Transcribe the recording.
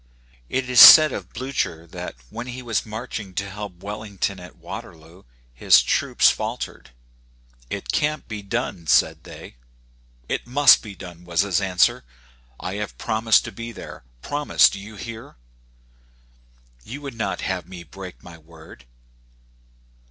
It is said of Blucher, that when he was marching to help Wellington at Waterloo, his troops faltered. " It can't be done, said they. " It must be done, was his answer. " I have promised to be there — promised^ do you hear? You would not have me break my word.